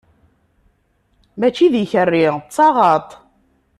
Mačči d ikerri, d taɣaṭ!